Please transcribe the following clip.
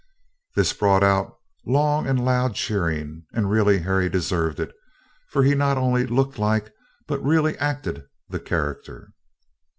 This brought out long and loud cheering, and really Harry deserved it, for he not only looked like, but really acted, the character.